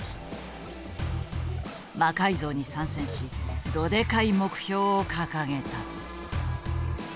「魔改造」に参戦しどでかい目標を掲げた。